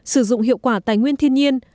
sử dụng hiệu quả tài nguyên thiên nhiên